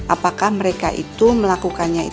apakah mereka itu melakukannya itu